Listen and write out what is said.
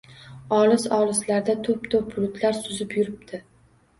Olis-olislarda toʻp-toʻp bulutlar suzib yuribdi.